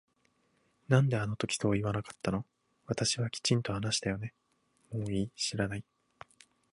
なんであの時そう言わなかったの私はきちんと話したよねもういい知らない